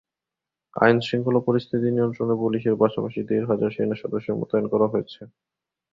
আইনশৃঙ্খলা পরিস্থিতি নিয়ন্ত্রণে পুলিশের পাশাপাশি দেড় হাজার সেনাসদস্য মোতায়েন করা হয়েছে।